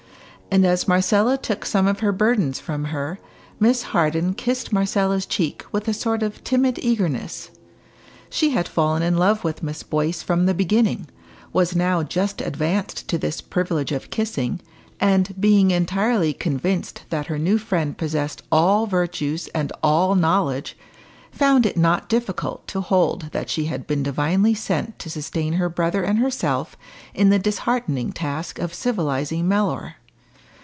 And as Marcella took some of her burdens from her, Miss Harden kissed Marcella's cheek with a sort of timid eagerness. She had fallen in love with Miss Boyce from the beginning, was now just advanced to this privilege of kissing, and being entirely convinced that her new friend possessed all virtues and all knowledge, found it not difficult to hold that she had been divinely sent to sustain her brother and herself in the disheartening task of civilising Mellor.